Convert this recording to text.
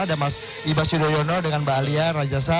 ada mas iba sudoyono dengan mbak alia rajasa